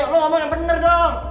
bisa kita bawa yang bener dong